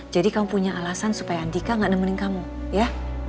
jadi kamu punya alasan supaya andika gak nemenin kamu ya